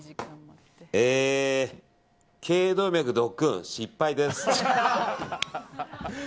頸動脈ドックン、失敗です。